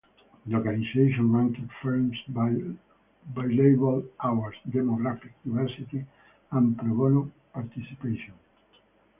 The organization ranked firms by billable hours, demographic diversity, and pro bono participation.